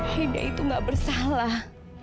aida itu gak bersalah